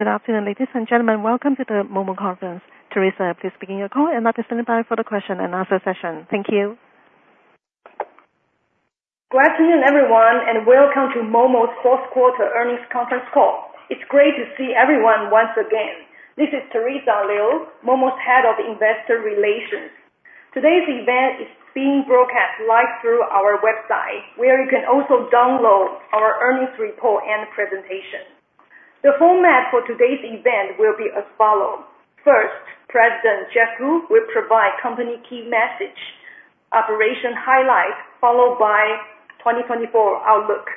Good afternoon, ladies and gentlemen. Welcome to the momo conference. Terrisa, please begin your call and let us know if you have any further questions and answer session. Thank you. Good afternoon, everyone, and welcome to momo's fourth quarter earnings conference call. It's great to see everyone once again. This is Terrisa Liu, momo's Head of Investor Relations. Today's event is being broadcast live through our website, where you can also download our earnings report and presentation. The format for today's event will be as follows. First, President Jeff Ku will provide company key message, operation highlight, followed by 2024 outlook.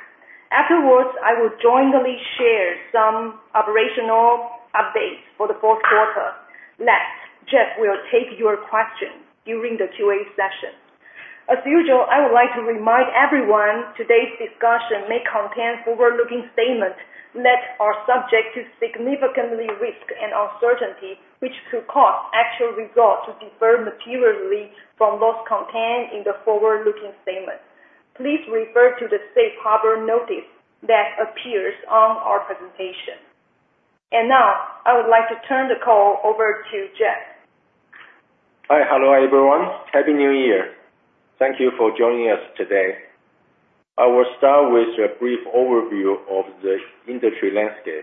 Afterwards, I will jointly share some operational updates for the fourth quarter. Next, Jeff will take your questions during the Q&A session. As usual, I would like to remind everyone today's discussion may contain forward-looking statements that are subject to significant risk and uncertainty, which could cause actual results to differ materially from those contained in the forward-looking statements. Please refer to the safe harbor notice that appears on our presentation. Now, I would like to turn the call over to Jeff. Hi, hello everyone. Happy New Year. Thank you for joining us today. I will start with a brief overview of the industry landscape.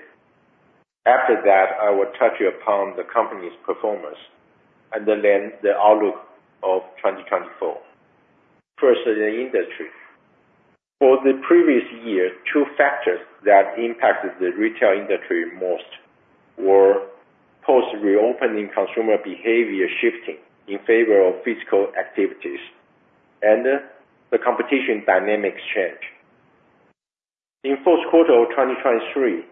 After that, I will touch upon the company's performance and then the outlook of 2024. First, the industry. For the previous year, two factors that impacted the retail industry most were post-reopening consumer behavior shifting in favor of physical activities and the competition dynamics change. In fourth quarter of 2023,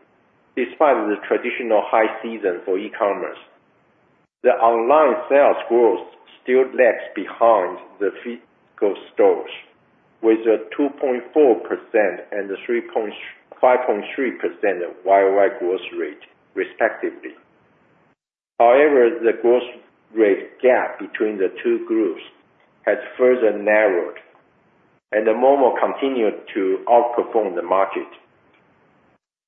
despite the traditional high season for e-commerce, the online sales growth still lags behind the physical stores, with 2.4% and 5.3% YoY growth rate, respectively. However, the growth rate gap between the two groups has further narrowed, and momo continued to outperform the market.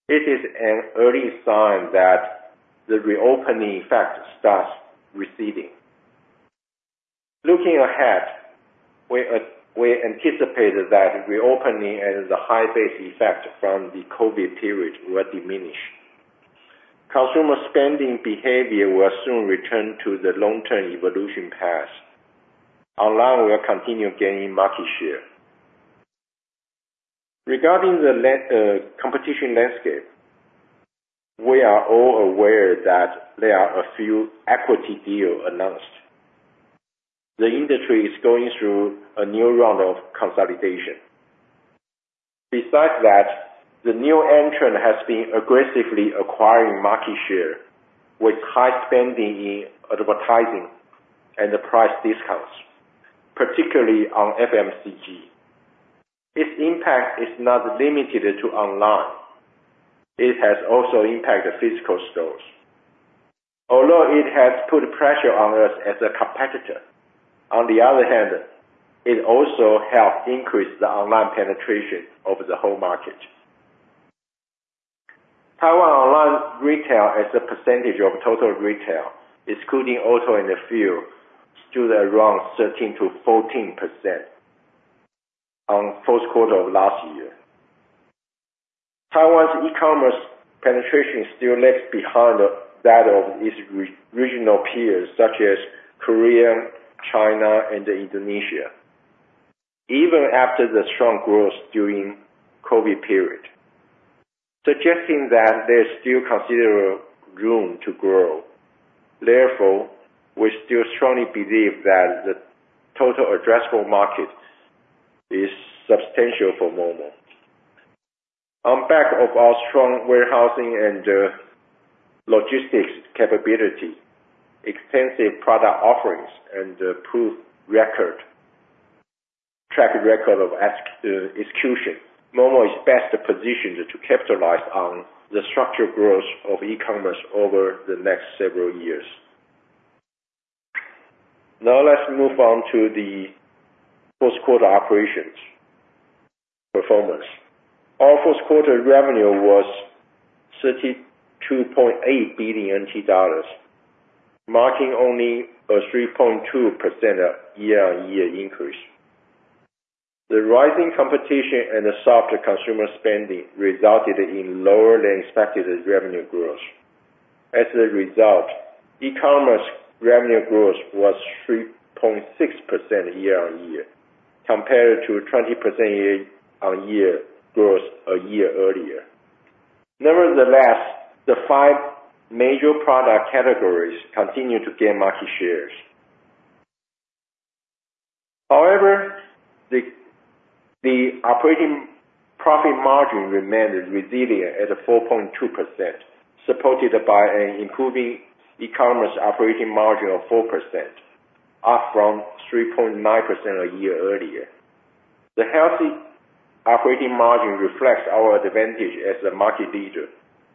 It is an early sign that the reopening effect starts receding. Looking ahead, we anticipate that reopening and the high base effect from the COVID period will diminish. Consumer spending behavior will soon return to the long-term evolution path. Online will continue gaining market share. Regarding the competition landscape, we are all aware that there are a few equity deals announced. The industry is going through a new round of consolidation. Besides that, the new entrant has been aggressively acquiring market share with high spending in advertising and price discounts, particularly on FMCG. Its impact is not limited to online. It has also impacted physical stores. Although it has put pressure on us as a competitor, on the other hand, it also helped increase the online penetration of the whole market. Taiwan Online Retail, as a percentage of total retail, excluding auto and the fuel, stood around 13%-14% on fourth quarter of last year. Taiwan's e-commerce penetration still lags behind that of its regional peers such as Korea, China, and Indonesia, even after the strong growth during the COVID period, suggesting that there is still considerable room to grow. Therefore, we still strongly believe that the total addressable market is substantial for momo. On back of our strong warehousing and logistics capability, extensive product offerings, and track record of execution, momo is best positioned to capitalize on the structural growth of e-commerce over the next several years. Now let's move on to the fourth quarter operations performance. Our fourth quarter revenue was 32.8 billion dollars, marking only a 3.2% year-on-year increase. The rising competition and the softer consumer spending resulted in lower-than-expected revenue growth. As a result, e-commerce revenue growth was 3.6% year-on-year, compared to 20% year-on-year growth a year earlier. Nevertheless, the five major product categories continue to gain market shares. However, the operating profit margin remained resilient at 4.2%, supported by an improving e-commerce operating margin of 4%, up from 3.9% a year earlier. The healthy operating margin reflects our advantage as a market leader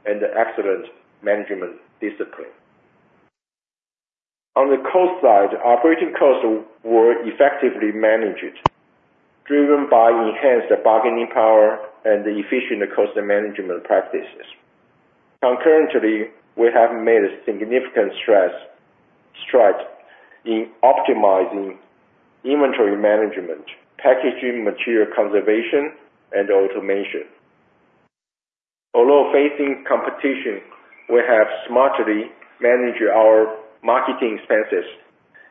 and excellent management discipline. On the cost side, operating costs were effectively managed, driven by enhanced bargaining power and efficient cost management practices. Concurrently, we have made a significant stride in optimizing inventory management, packaging material conservation, and automation. Although facing competition, we have smartly managed our marketing expenses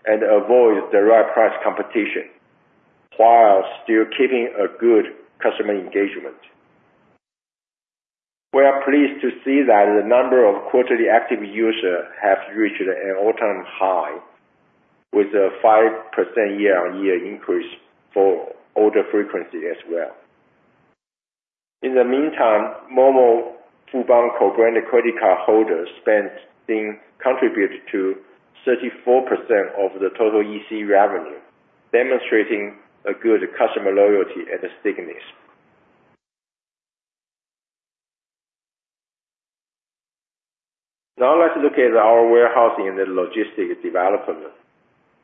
and avoided direct price competition while still keeping a good customer engagement. We are pleased to see that the number of quarterly active users has reached an all-time high, with a 5% year-on-year increase for order frequency as well. In the meantime, momo-Fubon co-branded credit card holders' spending contributed to 34% of the total EC revenue, demonstrating a good customer loyalty and stickiness. Now let's look at our warehousing and logistics development.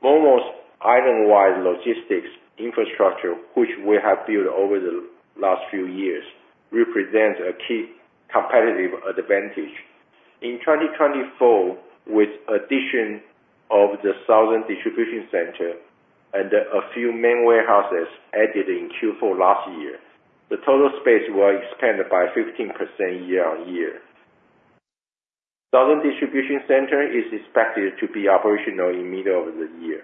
Momo's island-wide logistics infrastructure, which we have built over the last few years, represents a key competitive advantage. In 2024, with the addition of the Southern Distribution Center and a few main warehouses added in Q4 last year, the total space will expand by 15% year-over-year. Southern Distribution Center is expected to be operational in the middle of the year.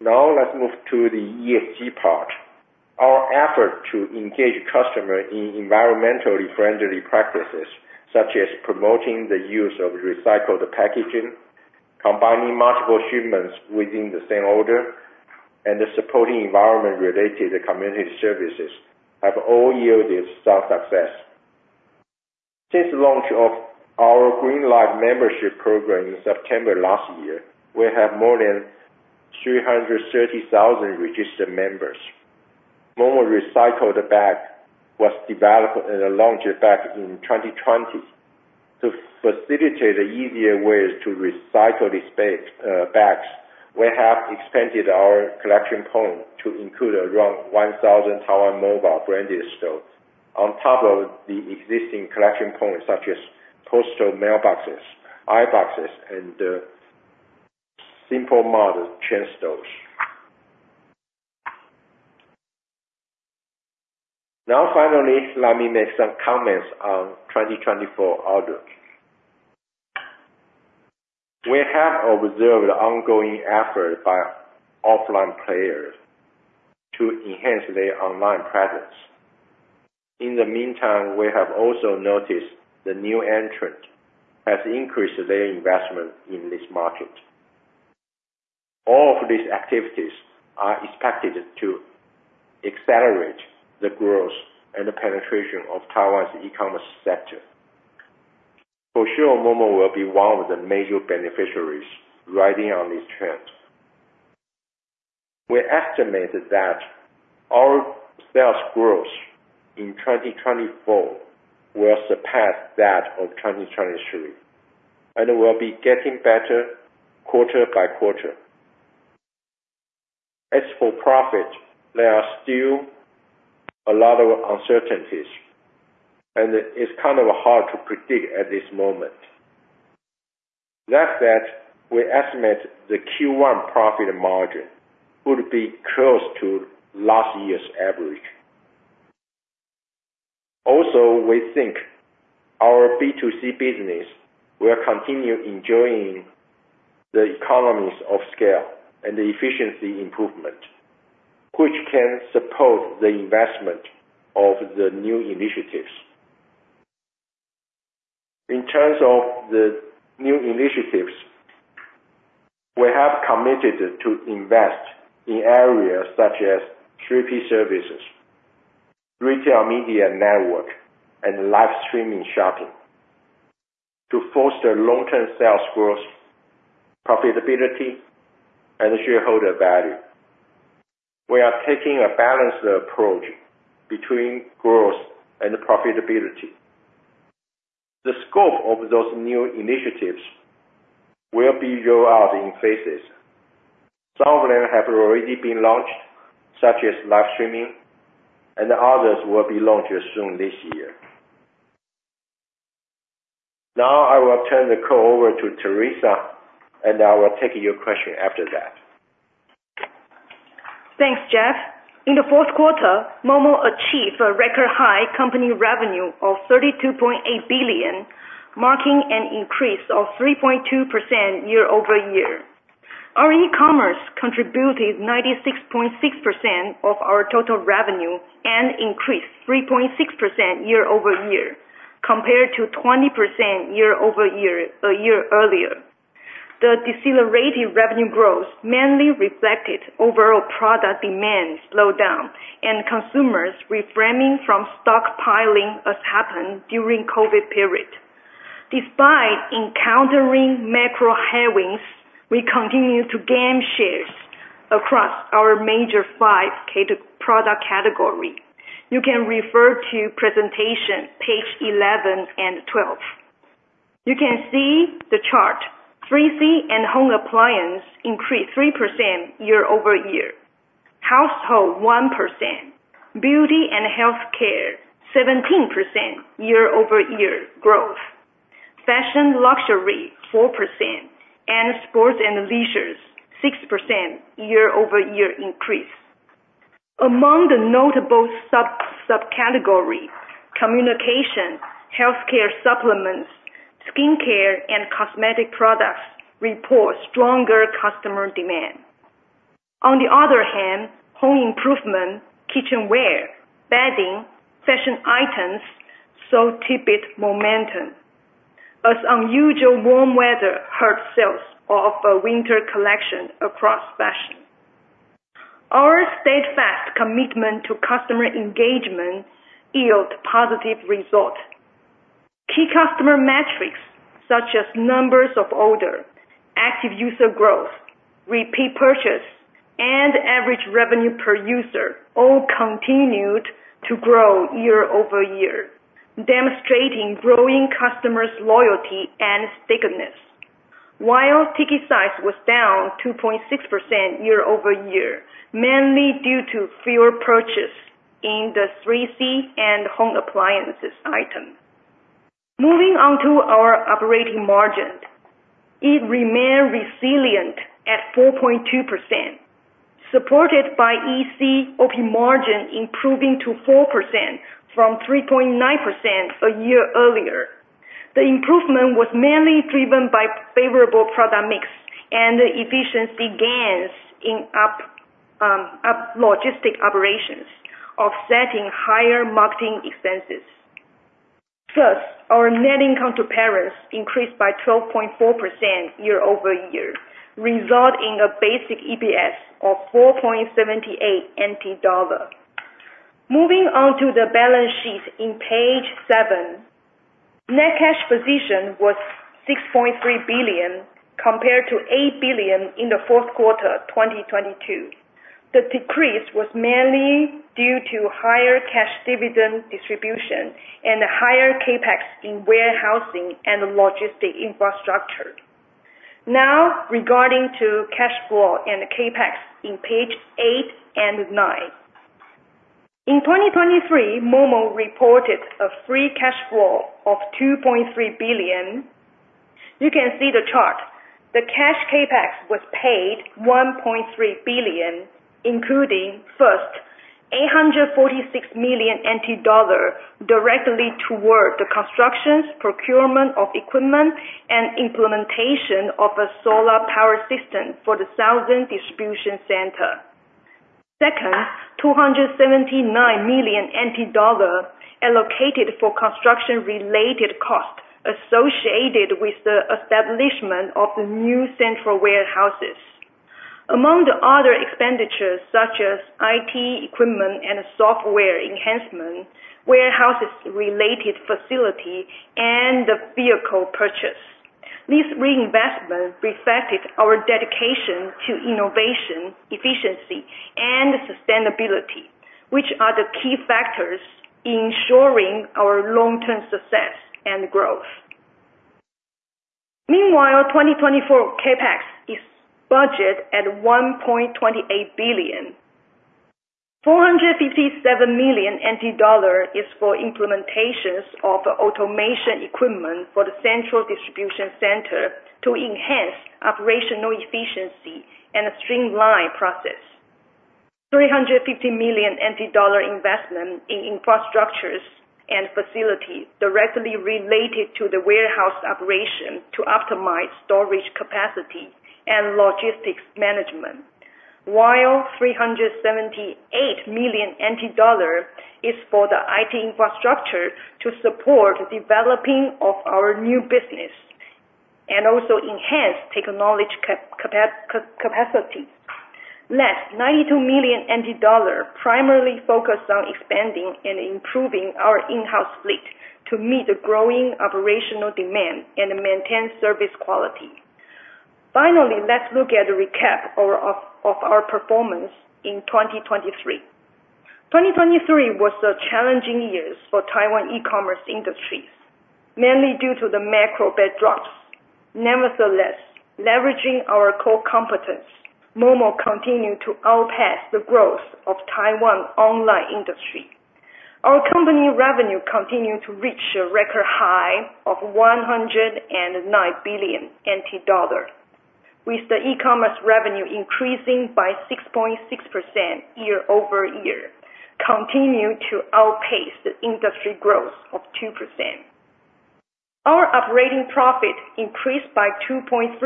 Now let's move to the ESG part. Our efforts to engage customers in environmentally friendly practices, such as promoting the use of recycled packaging, combining multiple shipments within the same order, and supporting environment-related community services, have all yielded some success. Since the launch of our Green Life membership program in September last year, we have more than 330,000 registered members. Momo Recycled Bag was developed and launched back in 2020. To facilitate easier ways to recycle these bags, we have expanded our collection pool to include around 1,000 Taiwan Mobile branded stores on top of the existing collection pool, such as postal mailboxes, iBoxes, and Simple Mart chain stores. Now finally, let me make some comments on 2024 outlook. We have observed ongoing efforts by offline players to enhance their online presence. In the meantime, we have also noticed the new entrant has increased their investment in this market. All of these activities are expected to accelerate the growth and penetration of Taiwan's e-commerce sector. For sure, momo will be one of the major beneficiaries riding on this trend. We estimate that our sales growth in 2024 will surpass that of 2023 and will be getting better quarter by quarter. As for profit, there are still a lot of uncertainties, and it's kind of hard to predict at this moment. That said, we estimate the Q1 profit margin would be close to last year's average. Also, we think our B2C business will continue enjoying the economies of scale and the efficiency improvement, which can support the investment of the new initiatives. In terms of the new initiatives, we have committed to invest in areas such as 3P services, Retail Media Network, and live streaming shopping to foster long-term sales growth, profitability, and shareholder value. We are taking a balanced approach between growth and profitability. The scope of those new initiatives will be rolled out in phases. Some of them have already been launched, such as live streaming, and others will be launched soon this year. Now I will turn the call over to Terrisa, and I will take your question after that. Thanks, Jeff. In the fourth quarter, momo achieved a record high company revenue of 32.8 billion, marking an increase of 3.2% year-over-year. Our e-commerce contributed 96.6% of our total revenue and increased 3.6% year-over-year, compared to 20% year-over-year a year earlier. The decelerated revenue growth mainly reflected overall product demand slowdown and consumers refraining from stockpiling as happened during the COVID period. Despite encountering macro headwinds, we continue to gain shares across our major five product categories. You can refer to presentation page 11 and 12. You can see the chart. 3C and home appliances increased 3% year-over-year, households 1%, beauty and healthcare 17% year-over-year growth, fashion luxury 4%, and sports and leisure 6% year-over-year increase. Among the notable subcategories, communication, healthcare supplements, skincare, and cosmetic products report stronger customer demand. On the other hand, home improvement, kitchenware, bedding, fashion items saw tipping momentum, as unusual warm weather hurt sales of winter collections across fashion. Our steadfast commitment to customer engagement yielded positive results. Key customer metrics, such as numbers of orders, active user growth, repeat purchase, and average revenue per user, all continued to grow year-over-year, demonstrating growing customers' loyalty and stickiness. While ticket size was down 2.6% year-over-year, mainly due to fewer purchases in the 3C and home appliances items. Moving on to our operating margins, it remained resilient at 4.2%, supported by EC/OP margin improving to 4% from 3.9% a year earlier. The improvement was mainly driven by favorable product mix and efficiency gains in logistics operations, offsetting higher marketing expenses. Plus, our net income to parents increased by 12.4% year-over-year, resulting in a basic EPS of 4.78 NT dollar. Moving on to the balance sheet in page seven, net cash position was 6.3 billion, compared to 8 billion in the fourth quarter of 2022. The decrease was mainly due to higher cash dividend distribution and higher Capex in warehousing and logistics infrastructure. Now regarding cash flow and Capex in page eight and nine. In 2023, momo reported a free cash flow of 2.3 billion. You can see the chart. The cash Capex was paid 1.3 billion, including, first, 846 million NT dollar directly toward the construction, procurement of equipment, and implementation of a solar power system for the Southern Distribution Center. Second, 279 million NT dollars allocated for construction-related costs associated with the establishment of the new central warehouses. Among the other expenditures, such as IT equipment and software enhancement, warehouse-related facilities, and the vehicle purchase, these reinvestments reflected our dedication to innovation, efficiency, and sustainability, which are the key factors ensuring our long-term success and growth. Meanwhile, 2024 CapEx is budgeted at 1.28 billion. 457 million NT dollar is for implementations of automation equipment for the central distribution center to enhance operational efficiency and streamline processes. 350 million NT dollar investment in infrastructures and facilities directly related to the warehouse operation to optimize storage capacity and logistics management, while 378 million NT dollar is for the IT infrastructure to support the developing of our new business and also enhance technology capacities. Last, 92 million NT dollar primarily focused on expanding and improving our in-house fleet to meet the growing operational demand and maintain service quality. Finally, let's look at a recap of our performance in 2023. 2023 was a challenging year for Taiwan e-commerce industries, mainly due to the macro backdrops. Nevertheless, leveraging our core competence, momo continued to outpace the growth of Taiwan's online industry. Our company revenue continued to reach a record high of 109 billion NT dollar, with the e-commerce revenue increasing by 6.6% year-over-year, continuing to outpace the industry growth of 2%. Our operating profit increased by 2.3%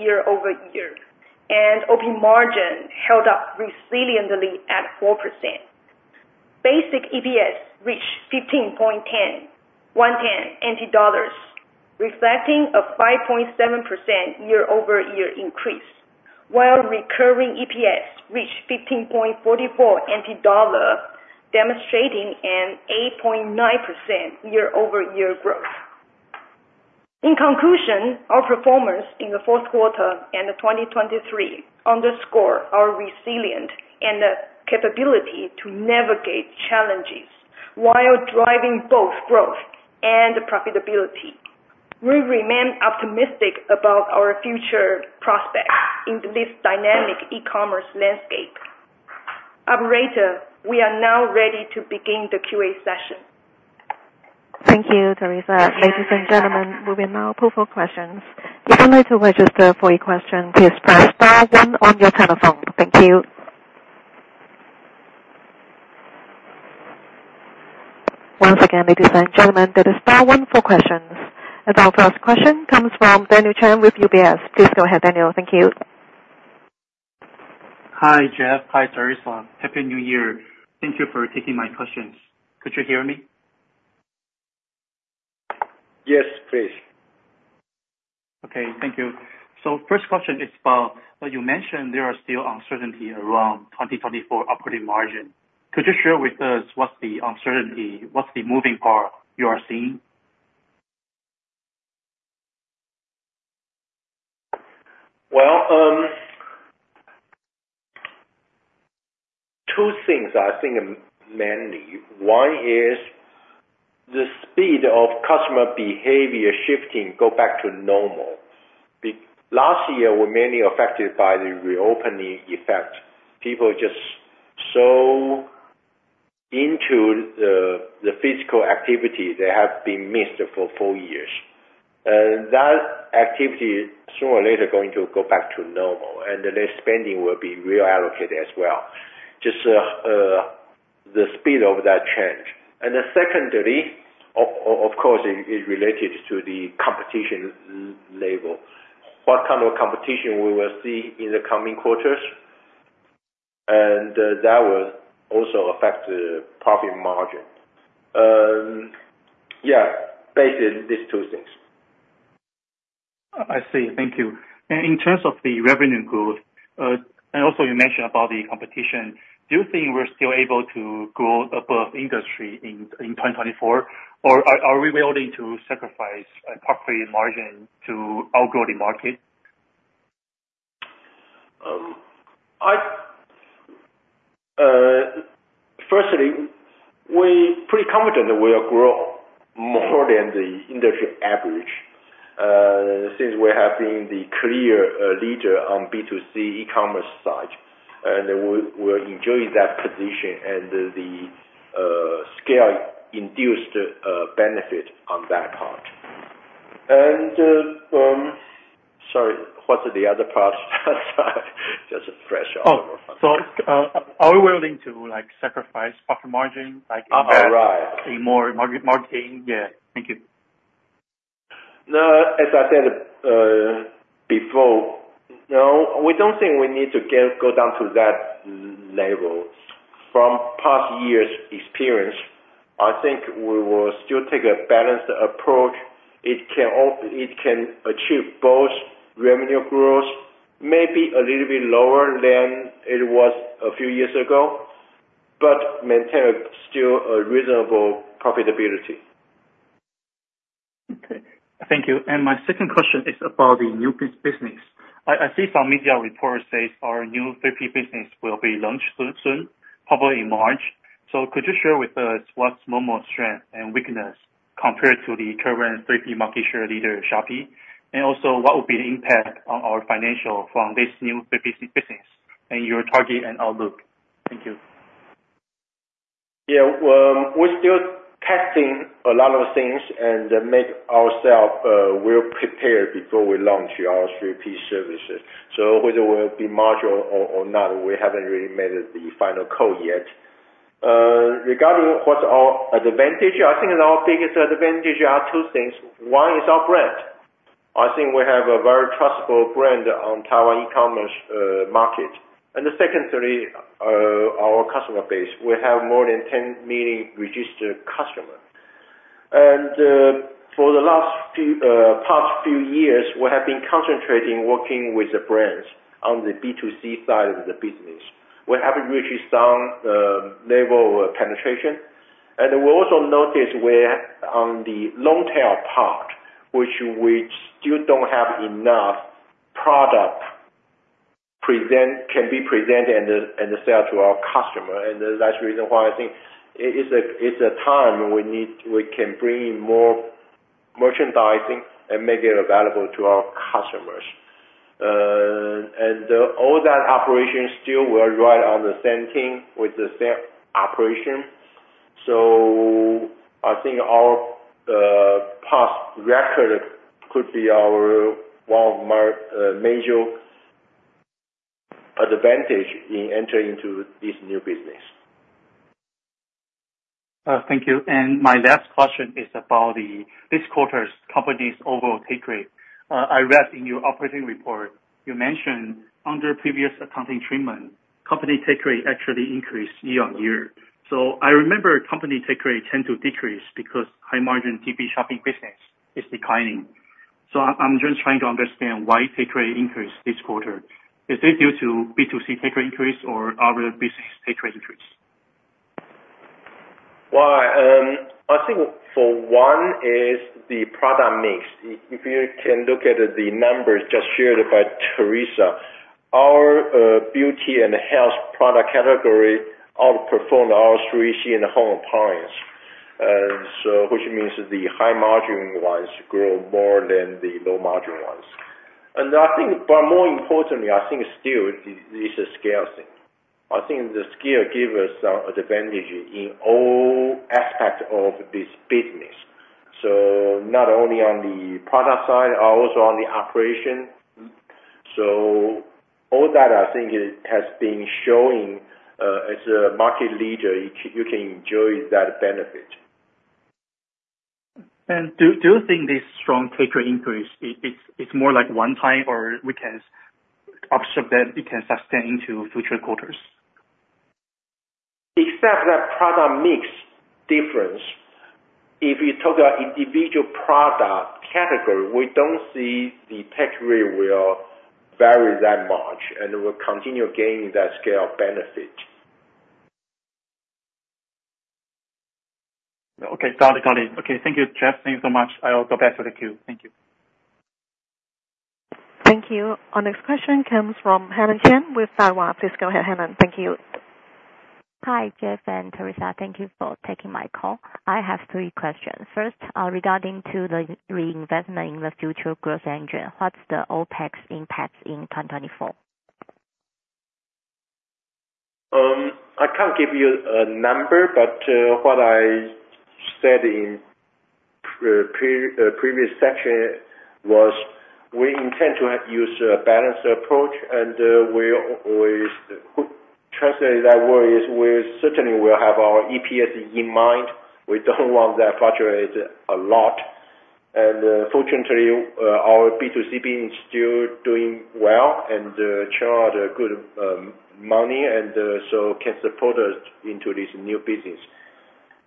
year-over-year, and OP margin held up resiliently at 4%. Basic EPS reached 15.10, reflecting a 5.7% year-over-year increase, while recurring EPS reached 15.44 NT dollar, demonstrating an 8.9% year-over-year growth. In conclusion, our performance in the fourth quarter and 2023 underscores our resilience and the capability to navigate challenges while driving both growth and profitability. We remain optimistic about our future prospects in this dynamic e-commerce landscape. Operator, we are now ready to begin the QA session. Thank you, Terrisa. Ladies and gentlemen, we will now poll for questions. If you'd like to register for your question, please press star 1 on your telephone. Thank you. Once again, ladies and gentlemen, there is star one for questions. Our first question comes from Daniel Chen with UBS. Please go ahead, Daniel. Thank you. Hi, Jeff. Hi, Terrisa. Happy New Year. Thank you for taking my questions. Could you hear me? Yes, please. Okay. Thank you. So first question is about you mentioned there are still uncertainties around 2024 operating margin. Could you share with us what's the uncertainty, what's the moving part you are seeing? Well, two things I think mainly. One is the speed of customer behavior shifting going back to normal. Last year, we were mainly affected by the reopening effect. People were just so into the physical activity they have been missed for four years. That activity, sooner or later, is going to go back to normal, and their spending will be reallocated as well. Just the speed of that change. And secondly, of course, it's related to the competition level. What kind of competition we will see in the coming quarters? And that will also affect the profit margin. Yeah, basically these two things. I see. Thank you. In terms of the revenue growth, and also you mentioned about the competition, do you think we're still able to grow above industry in 2024, or are we willing to sacrifice profit margin to outgrow the market? Firstly, we're pretty confident that we will grow more than the industry average since we have been the clear leader on the B2C e-commerce side. And we'll enjoy that position and the scale-induced benefit on that part. And sorry, what's the other part? That's just a fresh olive oil fun fact. Are we willing to sacrifice profit margin in terms of more marketing? Oh, right. Yeah. Thank you. As I said before, no, we don't think we need to go down to that level. From past years' experience, I think we will still take a balanced approach. It can achieve both revenue growth, maybe a little bit lower than it was a few years ago, but maintain still a reasonable profitability. Okay. Thank you. My second question is about the new business. I see some media reports say our new 3P business will be launched soon, probably in March. Could you share with us what's momo's strengths and weaknesses compared to the current 3P market share leader, Shopee? What would be the impact on our financials from this new 3P business and your target and outlook? Thank you. Yeah. We're still testing a lot of things and make ourselves well prepared before we launch our 3P services. So whether it will be marginal or not, we haven't really made the final call yet. Regarding what's our advantage, I think our biggest advantage are two things. One is our brand. I think we have a very trustable brand on the Taiwan e-commerce market. And secondly, our customer base. We have more than 10 million registered customers. And for the past few years, we have been concentrating on working with the brands on the B2C side of the business. We haven't reached some level of penetration. And we also noticed on the long-tail part, which we still don't have enough product can be presented and sell to our customers. That's the reason why I think it's a time we can bring in more merchandising and make it available to our customers. All that operation still will ride on the same thing with the same operation. I think our past record could be one of our major advantages in entering into this new business. Thank you. My last question is about this quarter's company's overall take rate. I read in your operating report, you mentioned under previous accounting treatment, company take rate actually increased year-over-year. I remember company take rate tends to decrease because high-margin 3P shopping business is declining. I'm just trying to understand why take rate increased this quarter. Is it due to B2C take rate increase or other business take rate increase? Well, I think for one is the product mix. If you can look at the numbers just shared by Terrisa, our beauty and health product category outperformed our 3C and home appliances, which means the high-margin ones grow more than the low-margin ones. But more importantly, I think still it's a scale thing. I think the scale gives us some advantage in all aspects of this business, so not only on the product side, also on the operation. So all that, I think, has been showing as a market leader, you can enjoy that benefit. Do you think this strong take rate increase, it's more like one time or we can observe that it can sustain into future quarters? Except that product mix difference, if you talk about individual product category, we don't see the take rate will vary that much, and we'll continue gaining that scale benefit. Okay. Got it. Got it. Okay. Thank you, Jeff. Thank you so much. I'll go back to the queue. Thank you. Thank you. Our next question comes from Helen Chien with Daiwa. Please go ahead, Helen. Thank you. Hi, Jeff and Terrisa. Thank you for taking my call. I have three questions. First, regarding the reinvestment in the future growth engine, what's the OpEx impact in 2024? I can't give you a number, but what I said in the previous section was we intend to use a balanced approach. And we translate that word is we certainly will have our EPS in mind. We don't want that fluctuating a lot. And fortunately, our B2C business is still doing well and churn out good money, and so can support us into this new business.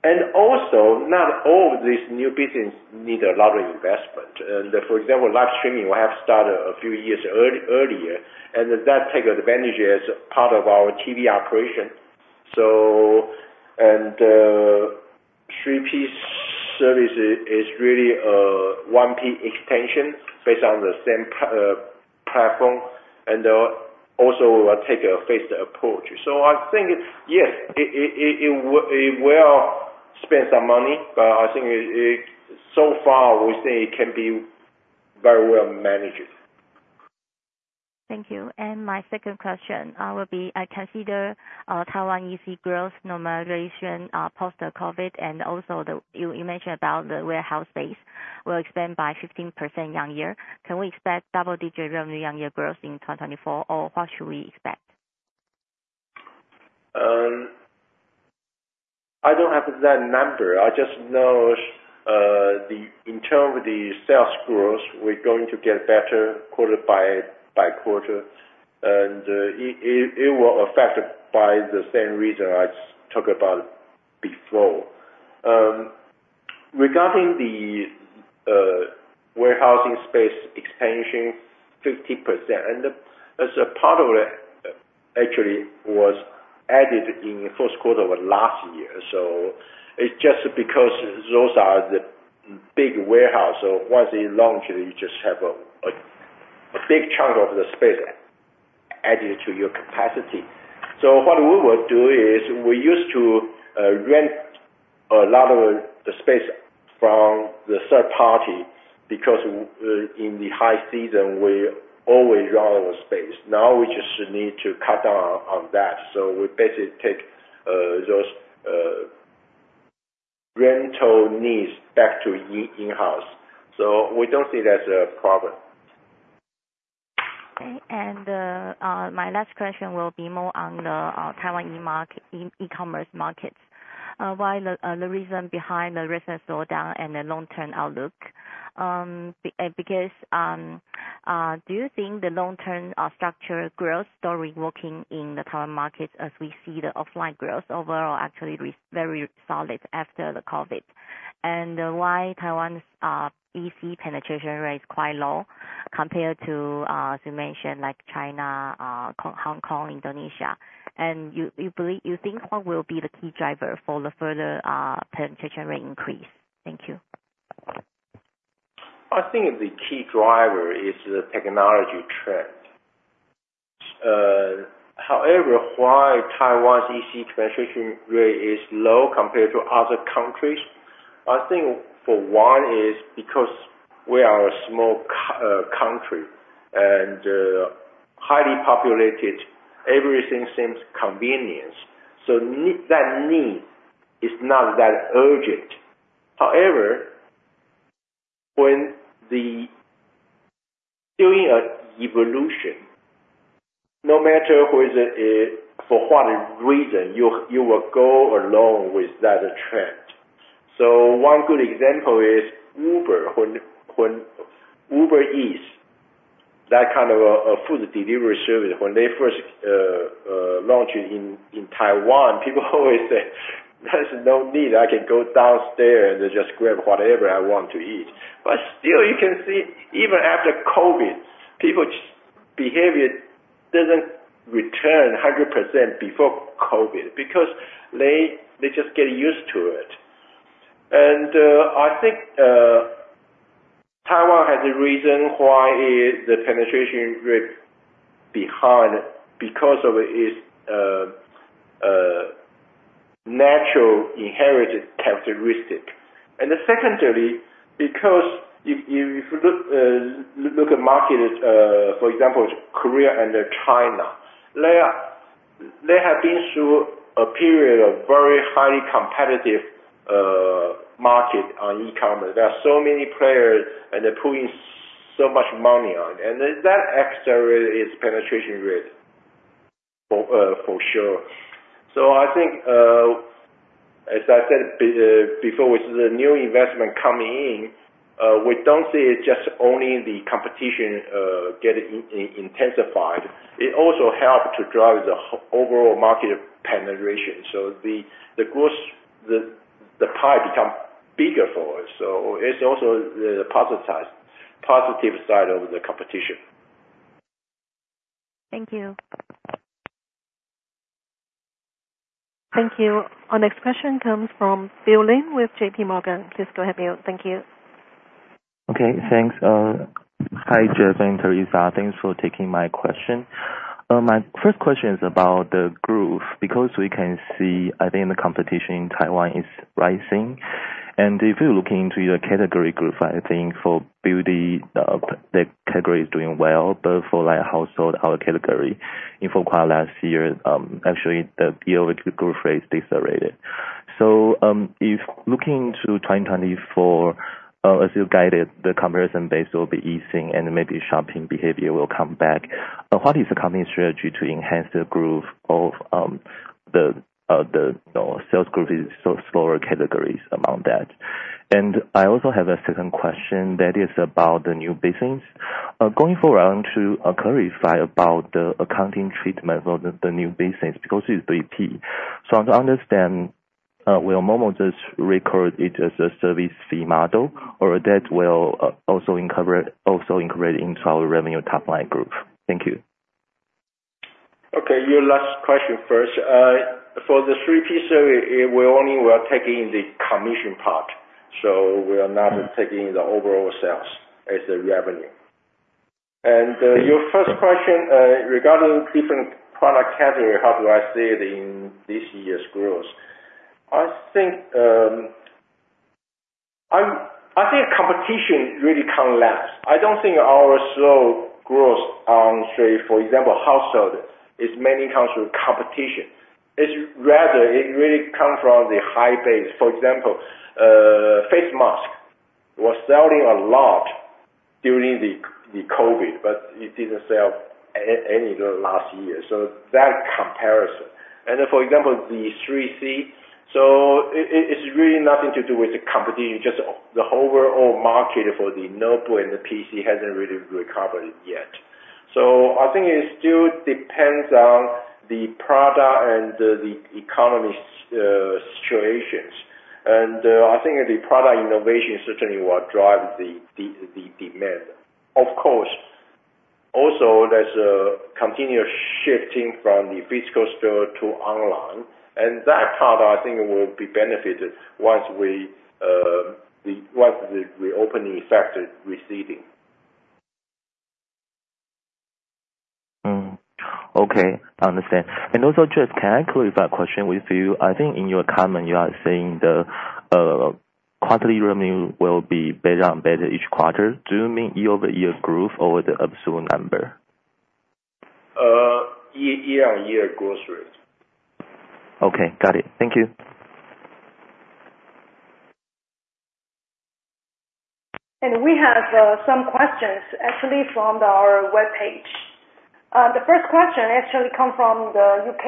And also, not all of this new business need a lot of investment. And for example, live streaming, we have started a few years earlier, and that takes advantage as part of our TV operation. And 3P service is really a 1P extension based on the same platform. And also, we will take a phased approach. So I think, yes, it will spend some money, but I think so far, we think it can be very well managed. Thank you. My second question will be, I consider Taiwan EC growth normalization post-COVID, and also you mentioned about the warehouse base will expand by 15% year-over-year. Can we expect double-digit revenue year-over-year growth in 2024, or what should we expect? I don't have that number. I just know in terms of the sales growth, we're going to get better quarter by quarter. It will affect by the same reason I talked about before. Regarding the warehousing space expansion, 50%. As a part of it, actually, was added in the first quarter of last year. It's just because those are the big warehouses. Once it launched, you just have a big chunk of the space added to your capacity. What we will do is we used to rent a lot of the space from the third party because in the high season, we always run out of space. Now, we just need to cut down on that. We basically take those rental needs back to in-house. We don't see that as a problem. Okay. My last question will be more on the Taiwan e-commerce markets. Why the reason behind the recent slowdown and the long-term outlook? Because do you think the long-term structure growth is still reworking in the Taiwan markets as we see the offline growth overall actually very solid after the COVID? And why Taiwan's EC penetration rate is quite low compared to, as you mentioned, China, Hong Kong, Indonesia? And you think what will be the key driver for the further penetration rate increase? Thank you. I think the key driver is the technology trend. However, why Taiwan's EC penetration rate is low compared to other countries, I think for one is because we are a small country and highly populated. Everything seems convenient. So that need is not that urgent. However, when doing an evolution, no matter for what reason, you will go along with that trend. So one good example is Uber. When Uber Eats, that kind of a food delivery service, when they first launched in Taiwan, people always said, "There's no need. I can go downstairs and just grab whatever I want to eat." But still, you can see even after COVID, people's behavior doesn't return 100% before COVID because they just get used to it. I think Taiwan has a reason why the penetration rate is behind because of its natural inherited characteristic. Secondly, because if you look at markets, for example, Korea and China, they have been through a period of very highly competitive market on e-commerce. There are so many players, and they're putting so much money on it. That accelerated its penetration rate for sure. I think, as I said before, with the new investment coming in, we don't see it just only the competition getting intensified. It also helps to drive the overall market penetration. The pie becomes bigger for us. It's also the positive side of the competition. Thank you. Thank you. Our next question comes from Bill Lin with JPMorgan. Please go ahead, Bill. Thank you. Okay. Thanks. Hi, Jeff and Terrisa. Thanks for taking my question. My first question is about the growth because we can see, I think, the competition in Taiwan is rising. If you're looking into the category growth, I think for beauty, the category is doing well. But for household, our category, in the last year, actually, the growth rate is decelerated. If looking into 2024, as you guided, the comparison base will be easing, and maybe shopping behavior will come back. What is the company's strategy to enhance the growth of the sales growth in slower categories among that? I also have a second question that is about the new business. Going forward, I want to clarify about the accounting treatment for the new business because it's 3P. I want to understand, will momo just record it as a service fee model, or that will also incorporate into our revenue top-line group? Thank you. Okay. Your last question first. For the 3P service, we only will take in the commission part. So we are not taking the overall sales as the revenue. Your first question regarding different product categories, how do I see it in this year's growth? I think competition really collapsed. I don't think our slow growth on, say, for example, household is mainly comes from competition. Rather, it really comes from the high base. For example, face masks were selling a lot during the COVID, but it didn't sell any last year. So that comparison. For example, the 3C, so it's really nothing to do with the competition. Just the overall market for the notebook and the PC hasn't really recovered yet. So I think it still depends on the product and the economy situations. I think the product innovation certainly will drive the demand. Of course, also, there's a continuous shifting from the physical store to online. That part, I think, will be benefited once the reopening effect is receding. Okay. I understand. And also, Jeff, can I clarify a question with you? I think in your comment, you are saying the quarterly revenue will be better and better each quarter. Do you mean year-over-year growth or the absolute number? Year-over-year growth rate. Okay. Got it. Thank you. We have some questions, actually, from our web page. The first question actually comes from the U.K.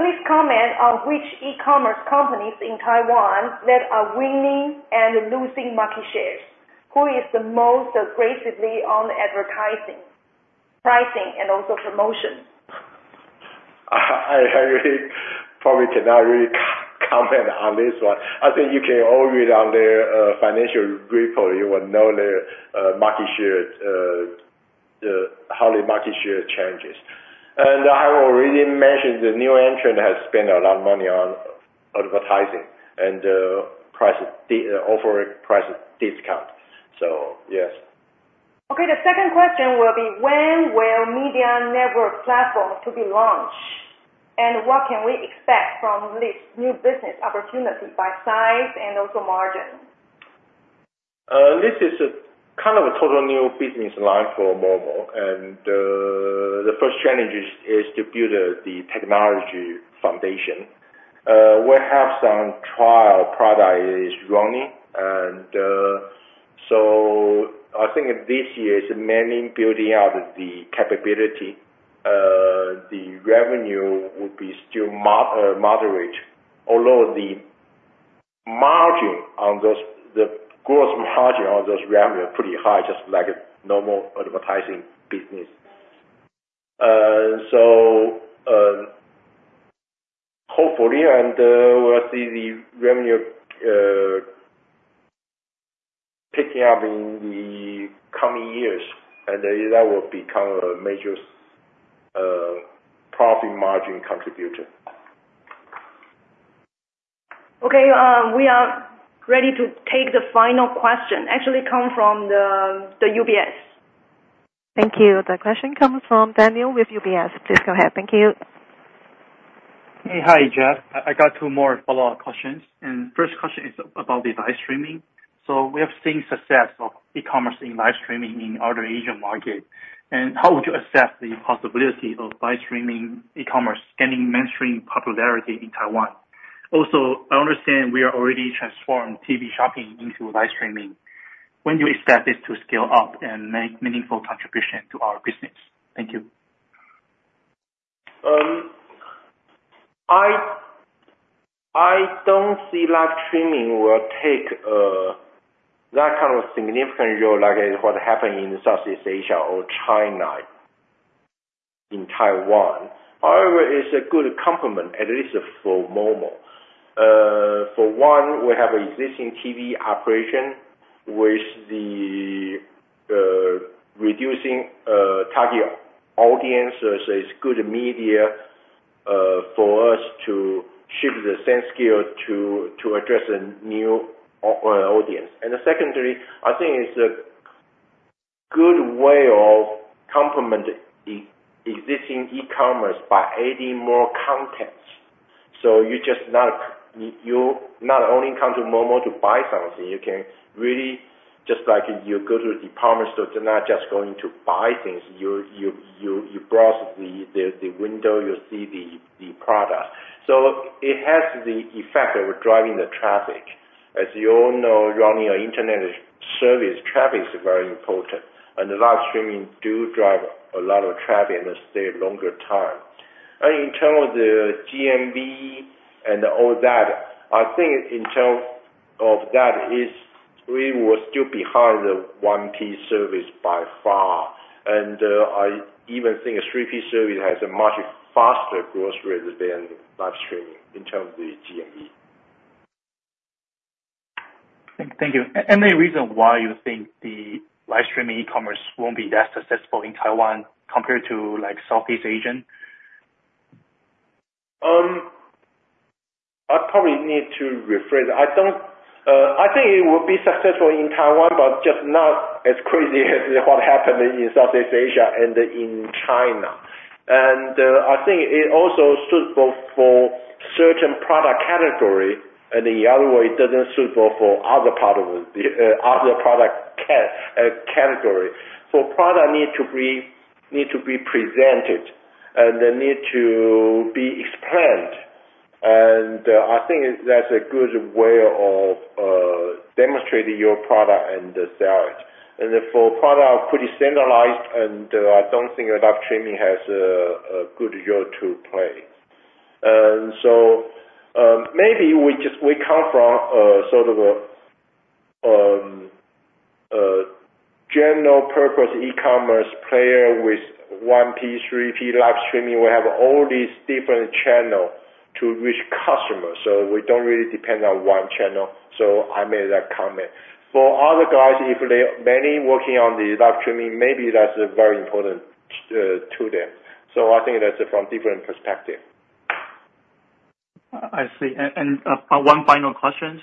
Please comment on which e-commerce companies in Taiwan that are winning and losing market shares? Who is the most aggressively on advertising, pricing, and also promotion? I probably cannot really comment on this one. I think you can all read on their financial report. You will know how the market share changes. And I already mentioned the new entrant has spent a lot of money on advertising and offering price discount. So yes. Okay. The second question will be, when will media network platforms be launched? What can we expect from this new business opportunity by size and also margin? This is kind of a totally new business line for momo. The first challenge is to build the technology foundation. We have some trial product that is running. So I think this year is mainly building out the capability. The revenue would be still moderate, although the growth margin on those revenues is pretty high, just like a normal advertising business. So, hopefully, we'll see the revenue picking up in the coming years. That will become a major profit margin contributor. Okay. We are ready to take the final question. Actually, it comes from the UBS. Thank you. The question comes from Daniel with UBS. Please go ahead. Thank you. Hey. Hi, Jeff. I got two more follow-up questions. The first question is about the live streaming. So we have seen success of e-commerce in live streaming in the other Asian market. How would you assess the possibility of live streaming e-commerce gaining mainstream popularity in Taiwan? Also, I understand we have already transformed TV shopping into live streaming. When do you expect this to scale up and make meaningful contribution to our business? Thank you. I don't see live streaming will take that kind of significant role like what happened in Southeast Asia or China in Taiwan. However, it's a good complement, at least for momo. For one, we have an existing TV operation with reducing target audiences. It's good media for us to shift the scale to address a new audience. And secondly, I think it's a good way of complementing existing e-commerce by adding more contents. So you're not only coming to momo to buy something. You can really just like you go to the department store. You're not just going to buy things. You browse the window. You see the products. So it has the effect of driving the traffic. As you all know, running an internet service, traffic is very important. And live streaming do drive a lot of traffic and stay a longer time. In terms of the GMV and all that, I think in terms of that, we will still be behind the 1P service by far. I even think a 3P service has a much faster growth rate than live streaming in terms of the GMV. Thank you. Any reason why you think the live streaming e-commerce won't be that successful in Taiwan compared to Southeast Asia? I probably need to rephrase. I think it will be successful in Taiwan, but just not as crazy as what happened in Southeast Asia and in China. I think it also suitable for certain product categories. In other words, it doesn't suitable for other product categories. Product need to be presented, and they need to be explained. I think that's a good way of demonstrating your product and sell it. For product that are pretty centralized, I don't think live streaming has a good role to play. Maybe we come from sort of a general-purpose e-commerce player with 1P, 3P, live streaming. We have all these different channels to reach customers. We don't really depend on one channel. I made that comment. For other guys, if many are working on the live streaming, maybe that's very important to them. I think that's from a different perspective. I see. One final question.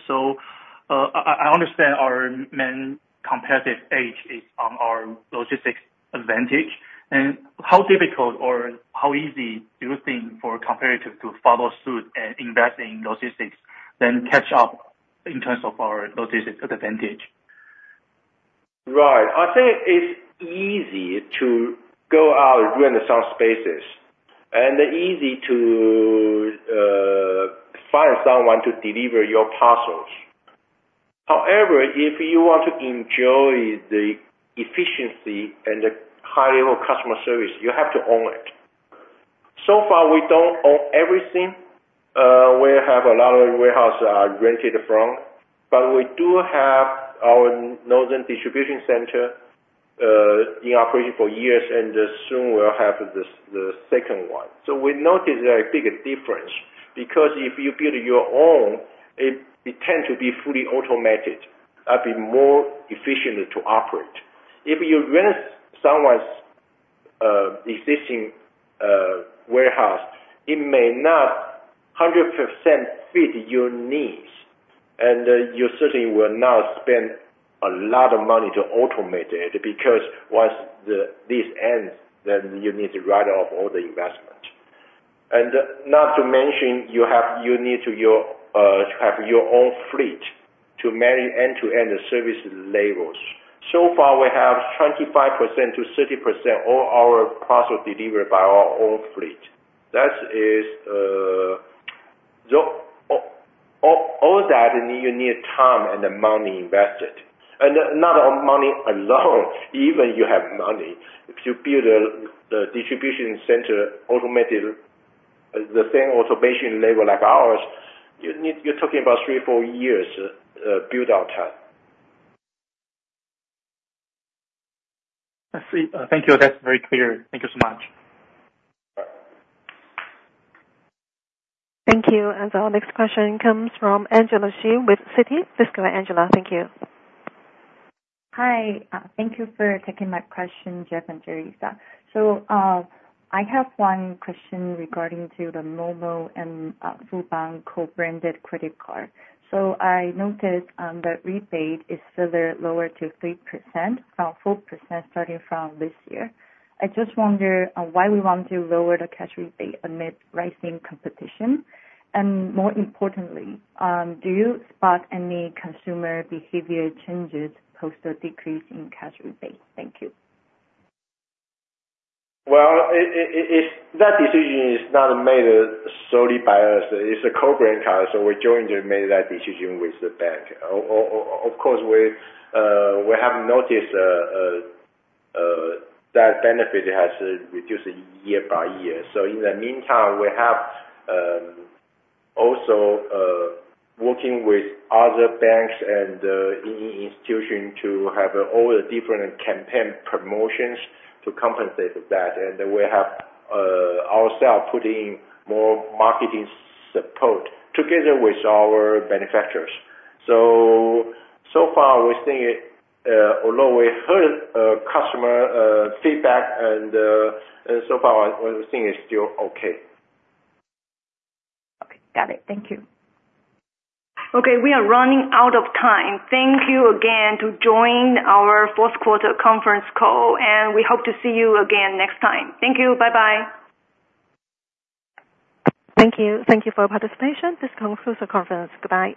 I understand our main competitive edge is on our logistics advantage. How difficult or how easy do you think for competitors to follow suit and invest in logistics then catch up in terms of our logistics advantage? Right. I think it's easy to go out and rent some spaces and easy to find someone to deliver your parcels. However, if you want to enjoy the efficiency and the high-level customer service, you have to own it. So far, we don't own everything. We have a lot of warehouses rented from. But we do have our Northern Distribution Center in operation for years. And soon, we'll have the second one. So we noticed a big difference because if you build your own, it tends to be fully automated. That'd be more efficient to operate. If you rent someone's existing warehouse, it may not 100% fit your needs. And you certainly will not spend a lot of money to automate it because once this ends, then you need to write off all the investment. Not to mention, you need to have your own fleet to manage end-to-end service labels. So far, we have 25%-30% of all our parcels delivered by our own fleet. All that, you need time and money invested. And not money alone. Even if you have money, if you build a distribution center automated, the same automation label like ours, you're talking about 3 years-4 years build-out time. I see. Thank you. That's very clear. Thank you so much. Thank you. And our next question comes from Angela Hsu with Citi. Please go ahead, Angela. Thank you. Hi. Thank you for taking my question, Jeff and Terrisa. I have one question regarding the momo and Fubon co-branded credit card. I noticed the rebate is still lower to 3% from 4% starting from this year. I just wonder why we want to lower the cash rebate amid rising competition. And more importantly, do you spot any consumer behavior changes post a decrease in cash rebate? Thank you. Well, that decision is not made solely by us. It's a co-brand card. So we jointly made that decision with the bank. Of course, we have noticed that benefit has reduced year by year. So in the meantime, we have also been working with other banks and institutions to have all the different campaign promotions to compensate for that. And we have ourselves put in more marketing support together with our manufacturers. So far, we're seeing it although we heard customer feedback. And so far, we're seeing it still okay. Okay. Got it. Thank you. Okay. We are running out of time. Thank you again to join our fourth-quarter conference call. We hope to see you again next time. Thank you. Bye-bye. Thank you. Thank you for your participation. This concludes our conference. Goodbye.